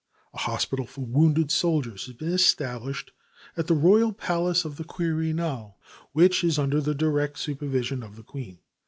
A hospital for wounded soldiers has been established at the Royal Palace of the Quirinal, which is under the direct supervision of the Queen.